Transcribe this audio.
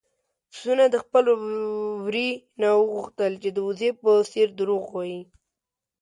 پسونو د خپل وري نه وغوښتل چې د وزې په څېر دروغ ووايي.